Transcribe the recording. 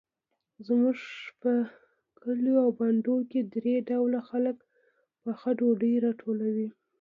زموږ په کلیو او بانډو کې درې ډوله خلک پخه ډوډۍ راټولوي.